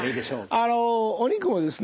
あのお肉もですね